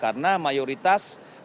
karena mayoritas sumber pupuk itu ya